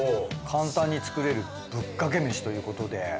簡単に作れるぶっかけ飯ということで。